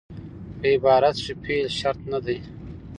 په عبارت کښي فعل شرط نه دئ.